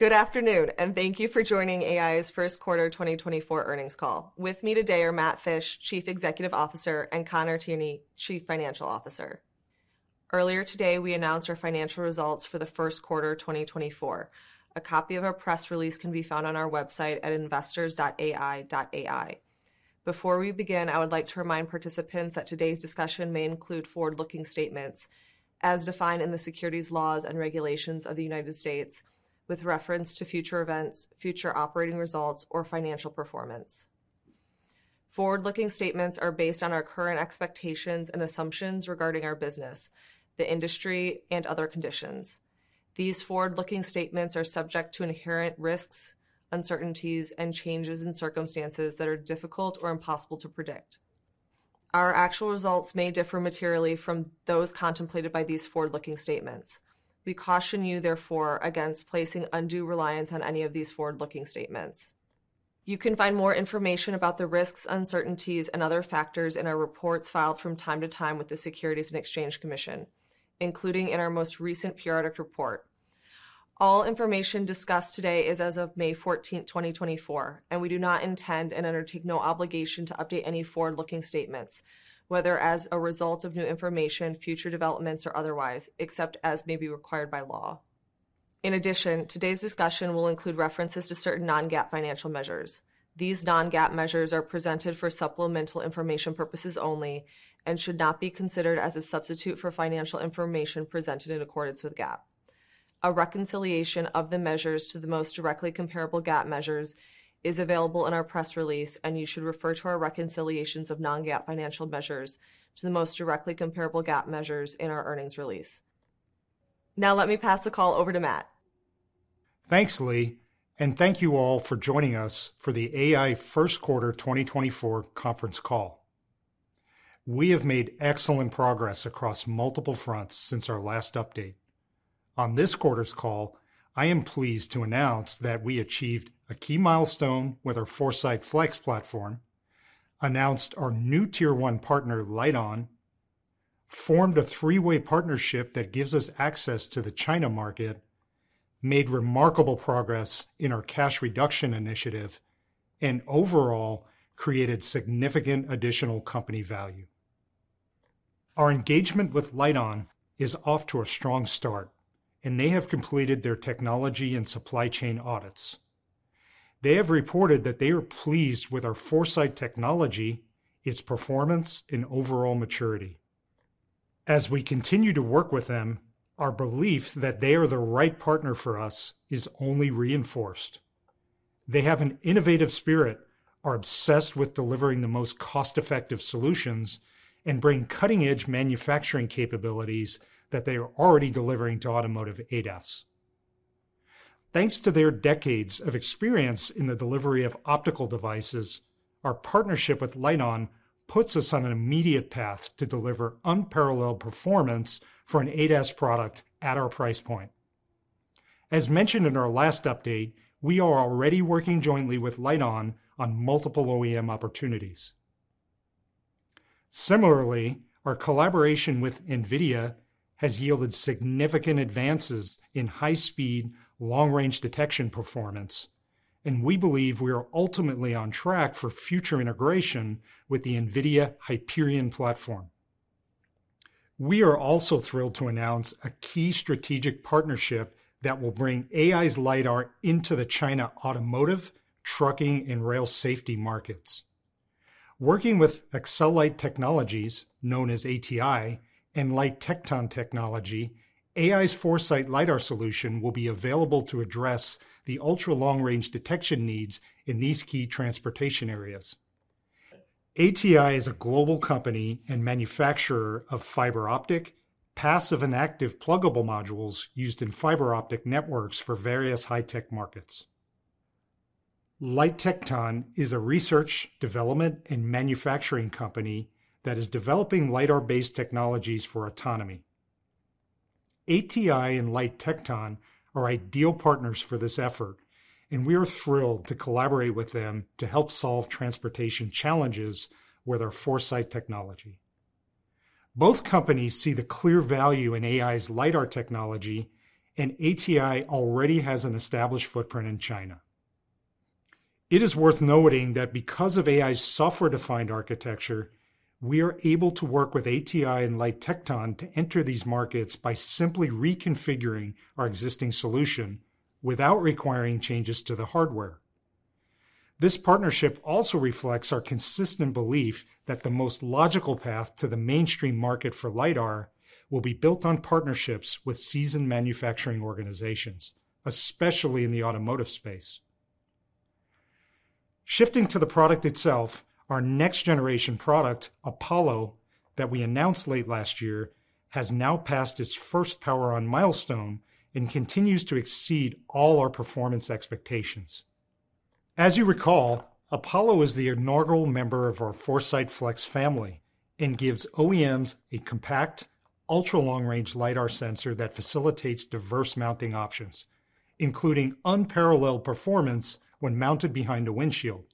Good afternoon, and thank you for joining AEye's first quarter 2024 earnings call. With me today are Matt Fisch, Chief Executive Officer, and Conor Tierney, Chief Financial Officer. Earlier today we announced our financial results for the first quarter 2024. A copy of our press release can be found on our website at investors.aeye.ai. Before we begin, I would like to remind participants that today's discussion may include forward-looking statements as defined in the securities laws and regulations of the United States, with reference to future events, future operating results, or financial performance. Forward-looking statements are based on our current expectations and assumptions regarding our business, the industry, and other conditions. These forward-looking statements are subject to inherent risks, uncertainties, and changes in circumstances that are difficult or impossible to predict. Our actual results may differ materially from those contemplated by these forward-looking statements. We caution you, therefore, against placing undue reliance on any of these forward-looking statements. You can find more information about the risks, uncertainties, and other factors in our reports filed from time to time with the Securities and Exchange Commission, including in our most recent periodic report. All information discussed today is as of May 14, 2024, and we do not intend and undertake no obligation to update any forward-looking statements, whether as a result of new information, future developments, or otherwise, except as may be required by law. In addition, today's discussion will include references to certain non-GAAP financial measures. These non-GAAP measures are presented for supplemental information purposes only and should not be considered as a substitute for financial information presented in accordance with GAAP. A reconciliation of the measures to the most directly comparable GAAP measures is available in our press release, and you should refer to our reconciliations of non-GAAP financial measures to the most directly comparable GAAP measures in our earnings release. Now let me pass the call over to Matt. Thanks, Lee, and thank you all for joining us for the AEye first quarter 2024 conference call. We have made excellent progress across multiple fronts since our last update. On this quarter's call, I am pleased to announce that we achieved a key milestone with our Foresight Flex platform, announced our new Tier 1 partner LITE-ON, formed a three-way partnership that gives us access to the China market, made remarkable progress in our cash reduction initiative, and overall created significant additional company value. Our engagement with LITE-ON is off to a strong start, and they have completed their technology and supply chain audits. They have reported that they are pleased with our Foresight technology, its performance, and overall maturity. As we continue to work with them, our belief that they are the right partner for us is only reinforced. They have an innovative spirit, are obsessed with delivering the most cost-effective solutions, and bring cutting-edge manufacturing capabilities that they are already delivering to automotive ADAS. Thanks to their decades of experience in the delivery of optical devices, our partnership with LITE-ON puts us on an immediate path to deliver unparalleled performance for an ADAS product at our price point. As mentioned in our last update, we are already working jointly with LITE-ON on multiple OEM opportunities. Similarly, our collaboration with NVIDIA has yielded significant advances in high-speed, long-range detection performance, and we believe we are ultimately on track for future integration with the NVIDIA Hyperion platform. We are also thrilled to announce a key strategic partnership that will bring AEye's LIDAR into the China automotive, trucking, and rail safety markets. Working with Accelink Technologies, known as ATI, and LidarStrategy, AEye's Foresight LiDAR solution will be available to address the ultra-long-range detection needs in these key transportation areas. ATI is a global company and manufacturer of fiber optic, passive and active pluggable modules used in fiber optic networks for various high-tech markets. LidarStrategy is a research, development, and manufacturing company that is developing LiDAR-based technologies for autonomy. ATI and LidarStrategy are ideal partners for this effort, and we are thrilled to collaborate with them to help solve transportation challenges with our Foresight technology. Both companies see the clear value in AEye's LiDAR technology, and ATI already has an established footprint in China. It is worth noting that because of AEye's software-defined architecture, we are able to work with ATI and LightTekton to enter these markets by simply reconfiguring our existing solution without requiring changes to the hardware. This partnership also reflects our consistent belief that the most logical path to the mainstream market for Lidar will be built on partnerships with seasoned manufacturing organizations, especially in the automotive space. Shifting to the product itself, our next-generation product, Apollo, that we announced late last year has now passed its first power-on milestone and continues to exceed all our performance expectations. As you recall, Apollo is the inaugural member of our Foresight Flex family and gives OEMs a compact, ultra-long-range Lidar sensor that facilitates diverse mounting options, including unparalleled performance when mounted behind a windshield.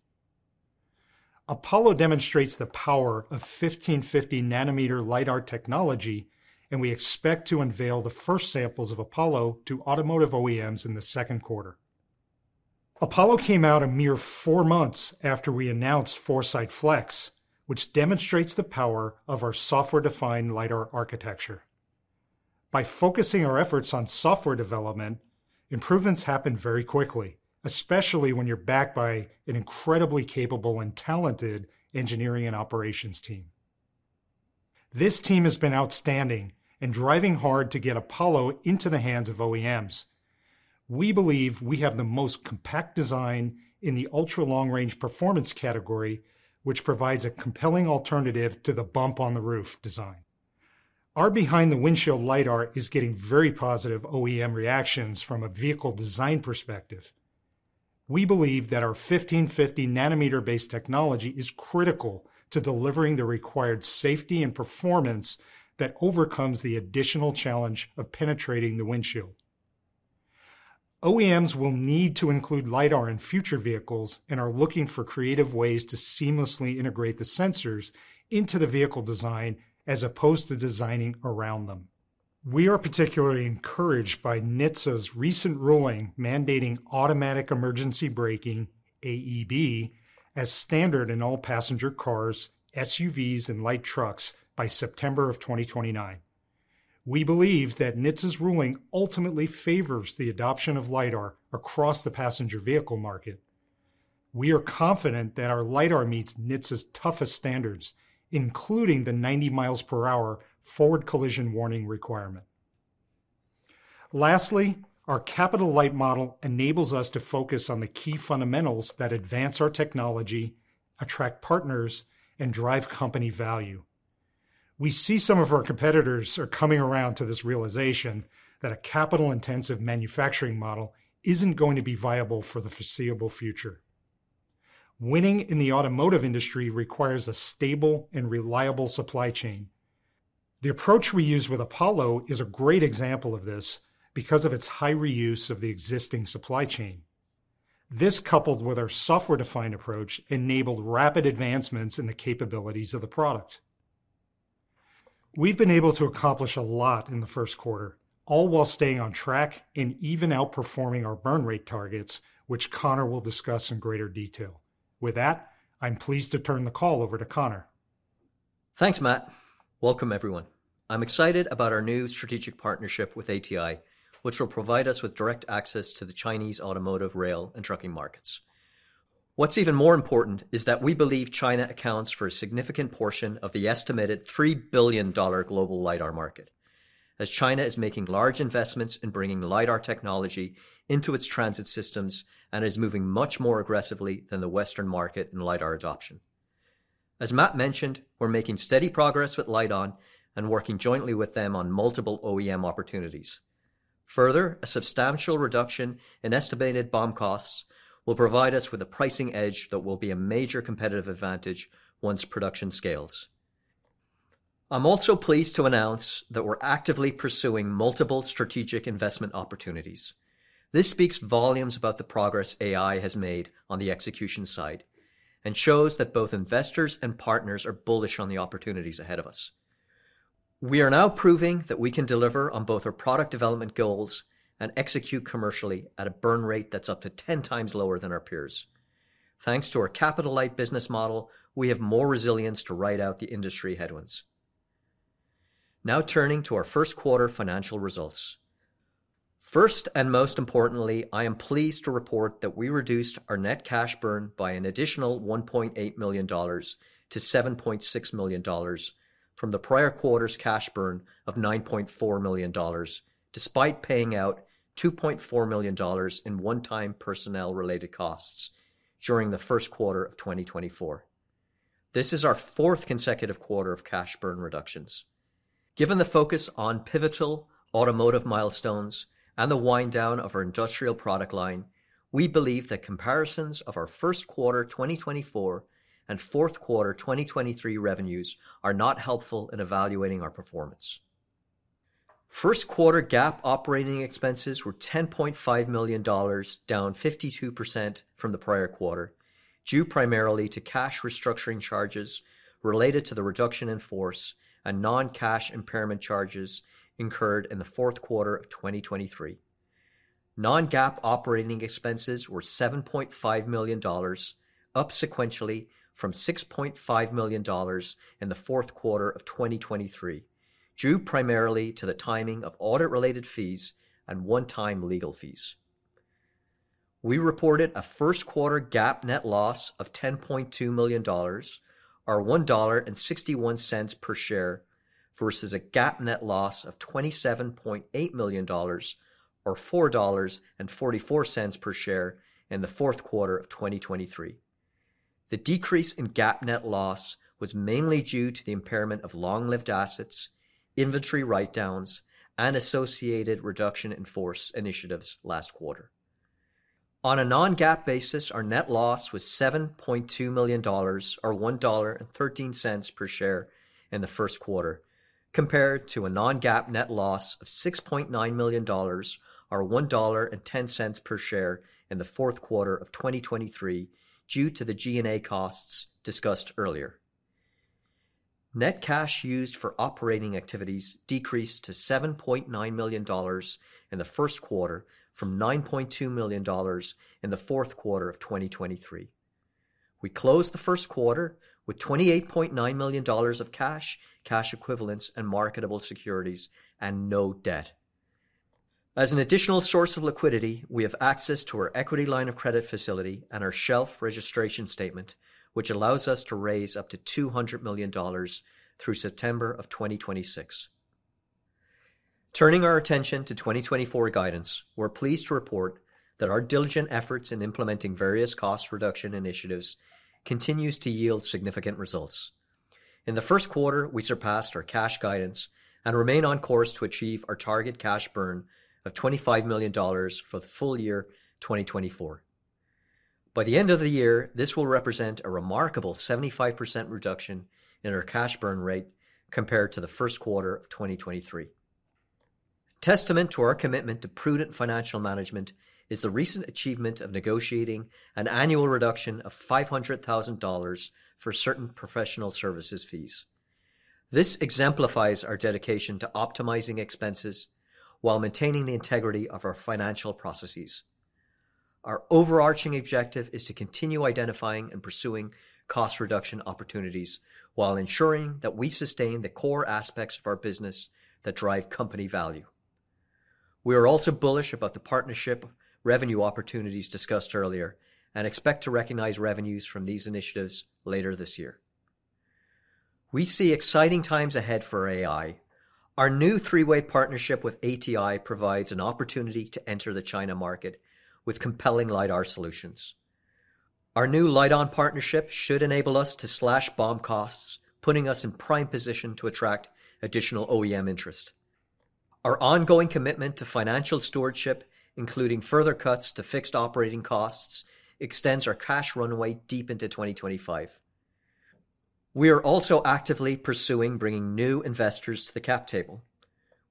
Apollo demonstrates the power of 1550 nanometer LiDAR technology, and we expect to unveil the first samples of Apollo to automotive OEMs in the second quarter. Apollo came out a mere four months after we announced Foresight Flex, which demonstrates the power of our software-defined LiDAR architecture. By focusing our efforts on software development, improvements happen very quickly, especially when you're backed by an incredibly capable and talented engineering and operations team. This team has been outstanding and driving hard to get Apollo into the hands of OEMs. We believe we have the most compact design in the ultra-long-range performance category, which provides a compelling alternative to the bump-on-the-roof design. Our behind-the-windshield LiDAR is getting very positive OEM reactions from a vehicle design perspective. We believe that our 1550 nanometer-based technology is critical to delivering the required safety and performance that overcomes the additional challenge of penetrating the windshield. OEMs will need to include LiDAR in future vehicles and are looking for creative ways to seamlessly integrate the sensors into the vehicle design as opposed to designing around them. We are particularly encouraged by NHTSA's recent ruling mandating automatic emergency braking, AEB, as standard in all passenger cars, SUVs, and light trucks by September of 2029. We believe that NHTSA's ruling ultimately favors the adoption of LiDAR across the passenger vehicle market. We are confident that our LiDAR meets NHTSA's toughest standards, including the 90 miles per hour forward collision warning requirement. Lastly, our capital light model enables us to focus on the key fundamentals that advance our technology, attract partners, and drive company value. We see some of our competitors are coming around to this realization that a capital-intensive manufacturing model isn't going to be viable for the foreseeable future. Winning in the automotive industry requires a stable and reliable supply chain. The approach we use with Apollo is a great example of this because of its high reuse of the existing supply chain. This, coupled with our software-defined approach, enabled rapid advancements in the capabilities of the product. We've been able to accomplish a lot in the first quarter, all while staying on track and even outperforming our burn rate targets, which Conor will discuss in greater detail. With that, I'm pleased to turn the call over to Conor. Thanks, Matt. Welcome, everyone. I'm excited about our new strategic partnership with ATI, which will provide us with direct access to the Chinese automotive, rail, and trucking markets. What's even more important is that we believe China accounts for a significant portion of the estimated $3 billion global LiDAR market, as China is making large investments in bringing LiDAR technology into its transit systems and is moving much more aggressively than the Western market in LiDAR adoption. As Matt mentioned, we're making steady progress with LITE-ON and working jointly with them on multiple OEM opportunities. Further, a substantial reduction in estimated BOM costs will provide us with a pricing edge that will be a major competitive advantage once production scales. I'm also pleased to announce that we're actively pursuing multiple strategic investment opportunities. This speaks volumes about the progress AEye has made on the execution side and shows that both investors and partners are bullish on the opportunities ahead of us. We are now proving that we can deliver on both our product development goals and execute commercially at a burn rate that's up to 10 times lower than our peers. Thanks to our capital light business model, we have more resilience to ride out the industry headwinds. Now turning to our first quarter financial results. First and most importantly, I am pleased to report that we reduced our net cash burn by an additional $1.8 million to $7.6 million from the prior quarter's cash burn of $9.4 million, despite paying out $2.4 million in one-time personnel-related costs during the first quarter of 2024. This is our fourth consecutive quarter of cash burn reductions. Given the focus on pivotal automotive milestones and the wind-down of our industrial product line, we believe that comparisons of our first quarter 2024 and fourth quarter 2023 revenues are not helpful in evaluating our performance. First quarter GAAP operating expenses were $10.5 million, down 52% from the prior quarter, due primarily to cash restructuring charges related to the reduction in force and non-cash impairment charges incurred in the fourth quarter of 2023. Non-GAAP operating expenses were $7.5 million, up sequentially from $6.5 million in the fourth quarter of 2023, due primarily to the timing of audit-related fees and one-time legal fees. We reported a first quarter GAAP net loss of $10.2 million, or $1.61 per share, versus a GAAP net loss of $27.8 million, or $4.44 per share, in the fourth quarter of 2023. The decrease in GAAP net loss was mainly due to the impairment of long-lived assets, inventory write-downs, and associated reduction-in-force initiatives last quarter. On a non-GAAP basis, our net loss was $7.2 million, or $1.13 per share, in the first quarter, compared to a non-GAAP net loss of $6.9 million, or $1.10 per share, in the fourth quarter of 2023 due to the G&A costs discussed earlier. Net cash used for operating activities decreased to $7.9 million in the first quarter from $9.2 million in the fourth quarter of 2023. We closed the first quarter with $28.9 million of cash, cash equivalents, and marketable securities, and no debt. As an additional source of liquidity, we have access to our equity line of credit facility and our shelf registration statement, which allows us to raise up to $200 million through September of 2026. Turning our attention to 2024 guidance, we're pleased to report that our diligent efforts in implementing various cost reduction initiatives continue to yield significant results. In the first quarter, we surpassed our cash guidance and remain on course to achieve our target cash burn of $25 million for the full year 2024. By the end of the year, this will represent a remarkable 75% reduction in our cash burn rate compared to the first quarter of 2023. Testament to our commitment to prudent financial management is the recent achievement of negotiating an annual reduction of $500,000 for certain professional services fees. This exemplifies our dedication to optimizing expenses while maintaining the integrity of our financial processes. Our overarching objective is to continue identifying and pursuing cost reduction opportunities while ensuring that we sustain the core aspects of our business that drive company value. We are also bullish about the partnership revenue opportunities discussed earlier and expect to recognize revenues from these initiatives later this year. We see exciting times ahead for AEye. Our new three-way partnership with ATI provides an opportunity to enter the China market with compelling LiDAR solutions. Our new LITE-ON partnership should enable us to slash BOM costs, putting us in prime position to attract additional OEM interest. Our ongoing commitment to financial stewardship, including further cuts to fixed operating costs, extends our cash runway deep into 2025. We are also actively pursuing bringing new investors to the cap table.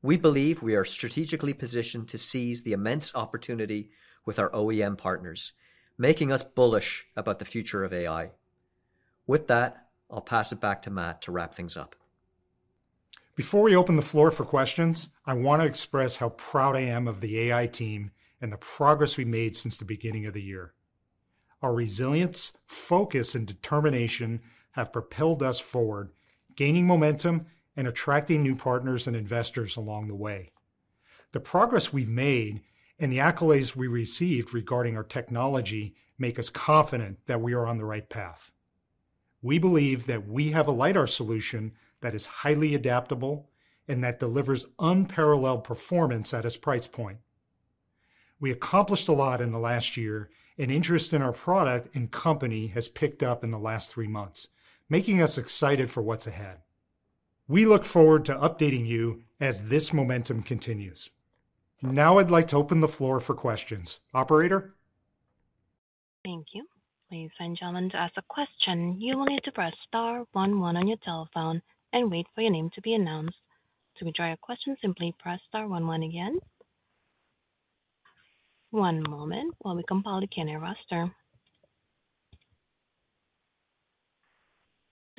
We believe we are strategically positioned to seize the immense opportunity with our OEM partners, making us bullish about the future of AEye. With that, I'll pass it back to Matt to wrap things up. Before we open the floor for questions, I want to express how proud I am of the AEye team and the progress we made since the beginning of the year. Our resilience, focus, and determination have propelled us forward, gaining momentum and attracting new partners and investors along the way. The progress we've made and the accolades we received regarding our technology make us confident that we are on the right path. We believe that we have a LIDAR solution that is highly adaptable and that delivers unparalleled performance at its price point. We accomplished a lot in the last year, and interest in our product and company has picked up in the last three months, making us excited for what's ahead. We look forward to updating you as this momentum continues. Now I'd like to open the floor for questions. Operator? Thank you. Please, gentlemen, to ask a question, you will need to press star one one on your telephone and wait for your name to be announced. To withdraw your question, simply press star one one again. One moment while we compile the Q&A roster.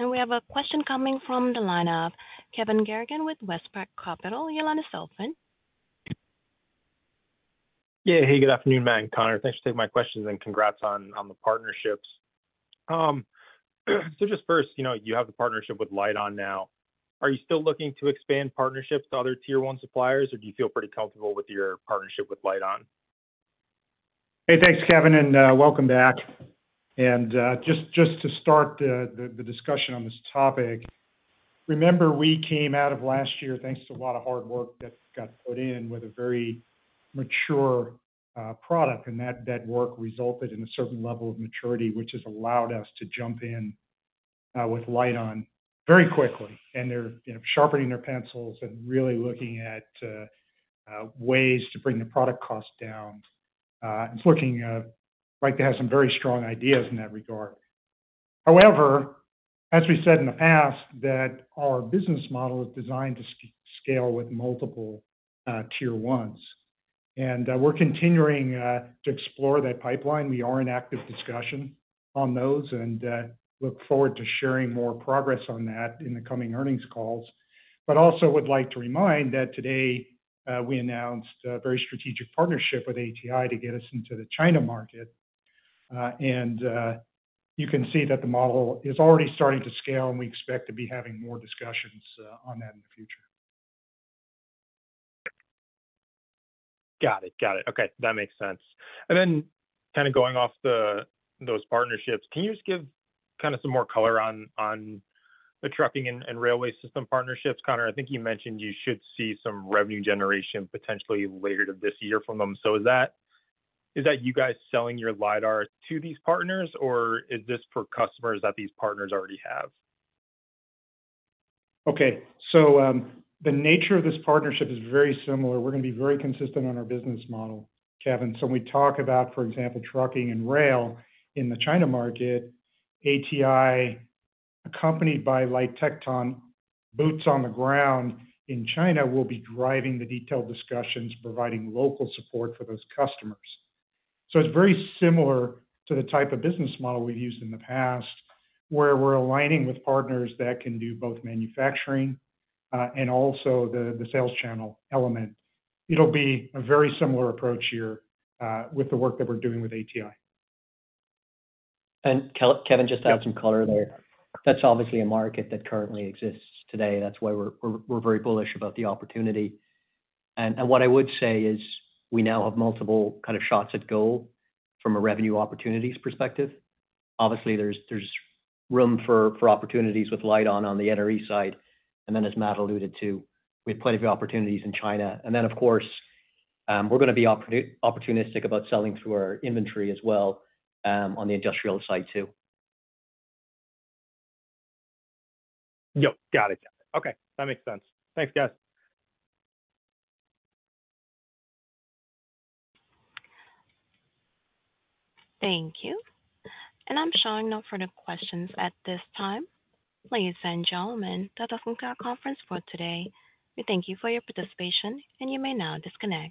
We have a question coming from the line of Kevin Garrigan with WestPark Capital, Your line is open. Yeah, hey, good afternoon, Matt and Conor. Thanks for taking my questions and congrats on the partnerships. So just first, you have the partnership with LITE-ON now. Are you still looking to expand partnerships to other Tier 1 suppliers, or do you feel pretty comfortable with your partnership with LITE-ON? Hey, thanks, Kevin, and welcome back. Just to start the discussion on this topic, remember we came out of last year thanks to a lot of hard work that got put in with a very mature product, and that work resulted in a certain level of maturity, which has allowed us to jump in with LITE-ON very quickly. They're sharpening their pencils and really looking at ways to bring the product cost down. It's looking like they have some very strong ideas in that regard. However, as we said in the past, our business model is designed to scale with multiple Tier 1s. We're continuing to explore that pipeline. We are in active discussion on those and look forward to sharing more progress on that in the coming earnings calls. But also would like to remind that today we announced a very strategic partnership with ATI to get us into the China market. You can see that the model is already starting to scale, and we expect to be having more discussions on that in the future. Got it. Got it. Okay, that makes sense. And then kind of going off those partnerships, can you just give kind of some more color on the trucking and railway system partnerships? Conor, I think you mentioned you should see some revenue generation potentially later this year from them. So is that you guys selling your LiDAR to these partners, or is this for customers that these partners already have? Okay, so the nature of this partnership is very similar. We're going to be very consistent on our business model, Kevin. So when we talk about, for example, trucking and rail in the China market, ATI, accompanied by LightTekton, boots on the ground in China will be driving the detailed discussions, providing local support for those customers. So it's very similar to the type of business model we've used in the past, where we're aligning with partners that can do both manufacturing and also the sales channel element. It'll be a very similar approach here with the work that we're doing with ATI. And Kevin just adds some color there. That's obviously a market that currently exists today. That's why we're very bullish about the opportunity. And what I would say is we now have multiple kind of shots at goal from a revenue opportunities perspective. Obviously, there's room for opportunities with LITE-ON on the NRE side. And then, as Matt alluded to, we have plenty of opportunities in China. And then, of course, we're going to be opportunistic about selling through our inventory as well on the industrial side too. Yep, got it. Got it. Okay, that makes sense. Thanks, guys. Thank you. I'm showing no further questions at this time. Please, ladies and gentlemen, that does conclude our conference for today. We thank you for your participation, and you may now disconnect.